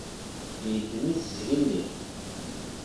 Yeddem-itt zgelli.